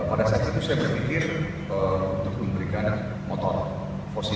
pada saat itu saya berpikir untuk memberikan motor positif